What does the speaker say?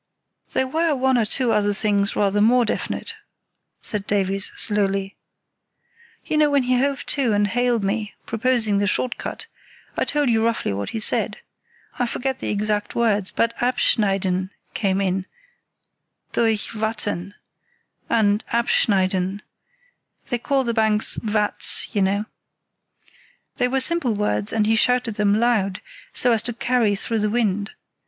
"There were one or two things rather more definite," said Davies, slowly. "You know when he hove to and hailed me, proposing the short cut, I told you roughly what he said. I forget the exact words, but 'abschneiden' came in—'durch Watten' and 'abschneiden' (they call the banks 'watts', you know); they were simple words, and he shouted them loud, so as to carry through the wind.